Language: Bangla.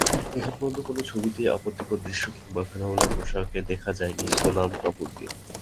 এখন পর্যন্ত কোনো ছবিতেই আপত্তিকর দৃশ্য কিংবা খোলামেলা পোশাকে দেখা যায়নি সোনম কাপুরকে।